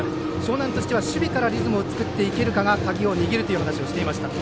樟南は守備からリズムを作っていけるかが鍵を握るという話をしていました。